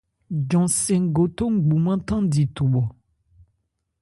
Jɔn-sɛn gotho ngbumán thandi thubhɔ.